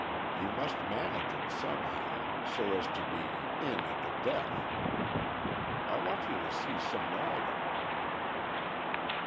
You must manage it somehow, so as to be 'in at the death!' I want you to see some riding."